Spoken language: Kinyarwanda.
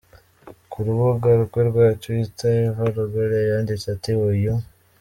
Ku rubuga rwe rwa Twitter, Eva Longoria yanditse ati Uyu.